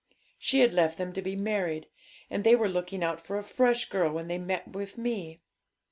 She had left them to be married, and they were looking out for a fresh girl when they met with me.